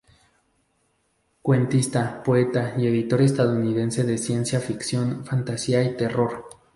Cuentista, poeta y editor estadounidense de ciencia ficción, fantasía y terror.